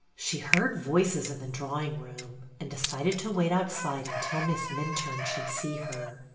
She heard voices in the drawing room, and decided to wait outside until Miss Minturne should see her.